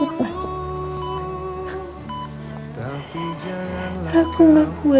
terima kasih banyak ya